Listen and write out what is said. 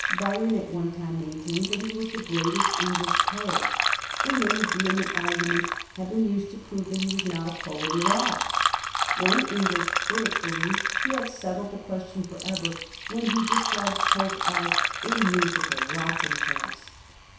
Byron at one time maintained that he was the greatest English poet, and many vehement arguments have been used to prove that he was not a poet at all. One English critic believed he had settled the question forever when he described Pope as ^^ a musical rocking horse."